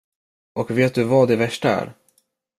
Och vet du vad det värsta är?